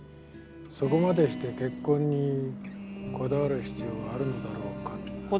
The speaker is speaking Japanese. そこまでして結婚にこだわる必要があるのだろうかって。